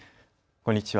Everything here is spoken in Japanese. こんにちは。